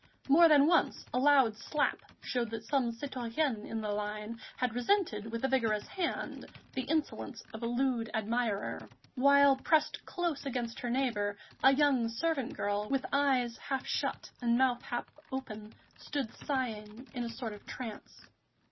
More than once a loud slap showed that some citoyenne in the line had resented with a vigorous hand the insolence of a lewd admirer, while, pressed close against her neighbour, a young servant girl, with eyes half shut and mouth half open, stood sighing in a sort of trance.